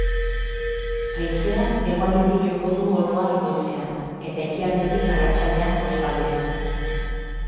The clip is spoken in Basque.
Haizeak hegoaldetik joko du oro har goizean, eta ekialdetik arratsaldean kostaldean.